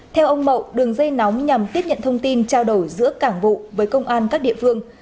theo ông mậu đường dây nóng nhằm tiếp nhận thông tin trao đổi giữa cảng vụ với công an các địa phương